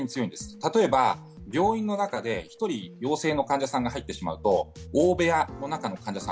例えば病院の中で一人陽性の患者さんが入ってしまうと、大部屋の中の患者さん